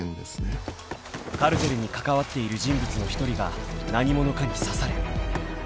［カルテルに関わっている人物の１人が何者かに刺され］